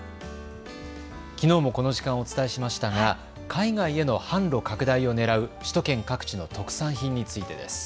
きのうもこの時間、お伝えしましたが海外への販路拡大をねらう首都圏各地の特産品についてです。